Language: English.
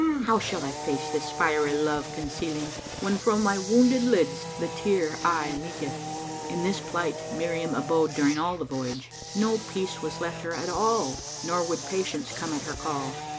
How shall I face this fiery love concealing * When fro' my wounded lids the tear aye leaketh? In this plight Miriam abode during all the voyage; no peace was left her at all nor would patience come at her call.